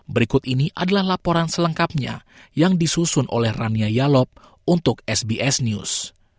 berikut ini adalah laporan selengkapnya yang disusun oleh rania yalop untuk sbs news